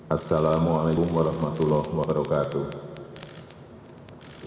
assalamu'alaikum warahmatullahi wabarakatuh